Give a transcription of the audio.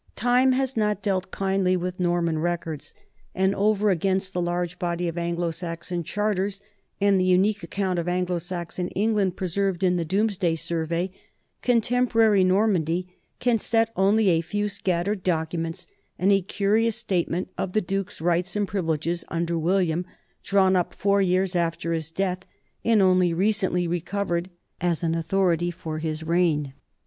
Time has not dealt kindly with Norman records, and over against the large body of Anglo Saxon charters and the unique account of Anglo Saxon England preserved in the Domesday survey, contemporary Normandy can set only a few scattered documents and a curious statement of the duke's rights and privileges under William, drawn up four years after his death and only recently recovered as an authority for his reign.